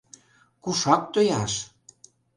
Кушак тояш?